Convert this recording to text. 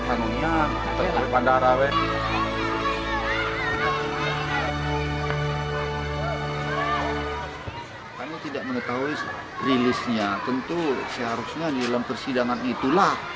kami tidak mengetahui rilisnya tentu seharusnya di dalam persidangan itulah